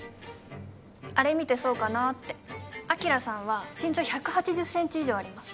あれ見てそうかなって昭さんは身長１８０センチ以上あります